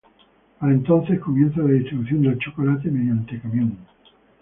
Para entonces comienza la distribución del chocolate mediante camión.